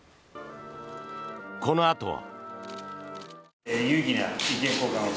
このあとは。